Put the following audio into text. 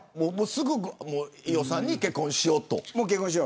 すぐ伊代さんに結婚しようと。